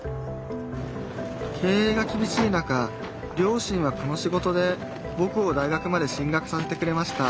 経営がきびしい中両親はこの仕事でぼくを大学まで進学させてくれました